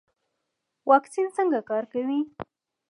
واکسین څنګه کار کوي؟